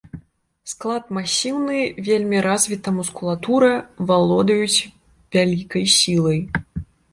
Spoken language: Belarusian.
Склад масіўны, вельмі развіта мускулатура, валодаюць вялікай сілай.